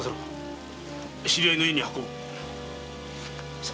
知り合いの家に運ぼう。